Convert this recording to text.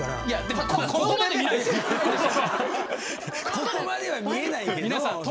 ここまでは見えないけど。